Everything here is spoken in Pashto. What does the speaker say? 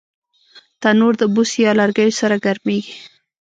تنور د بوسو یا لرګیو سره ګرمېږي